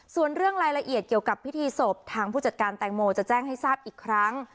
ส่วนเรื่องรายละเอียดเกี่ยวกับพิธีศพทางผู้จัดการแตงโมจะแจ้งให้ทราบอีกครั้ง